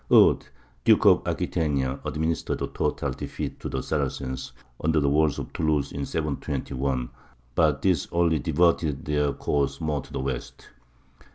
Eudes, Duke of Aquitania, administered a total defeat to the Saracens under the walls of Toulouse in 721, but this only diverted their course more to the west.